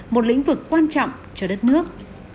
một lĩnh vực quan trọng cho đất nước